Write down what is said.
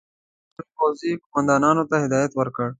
خپلو پوځي قوماندانانو ته هدایت ورکړ.